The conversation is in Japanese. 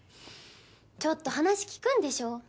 ちょっと話聞くんでしょ？